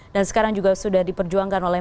dan sekarang juga sudah diperjuangkan oleh